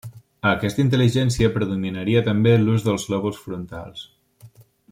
A aquesta intel·ligència predominaria també l’ús dels lòbuls frontals.